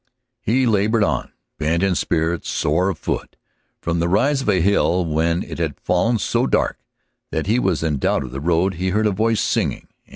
He labored on, bent in spirit, sore of foot. From the rise of a hill, when it had fallen so dark that he was in doubt of the road, he heard a voice singing.